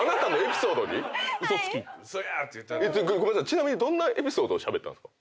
ちなみにどんなエピソードをしゃべったんですか？